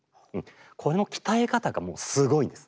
この鍛え方がもうすごいんです。